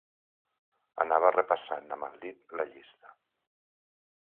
Anava repassant amb el dit la llista.